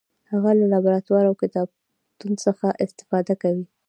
هغه له لابراتوار او کتابتون څخه استفاده کوي.